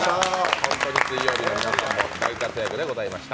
本当に水曜日の皆さんも大活躍でございました。